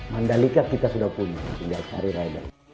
mandalikat kita sudah punya tidak sehari hari